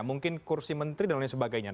mungkin kursi menteri dan lain sebagainya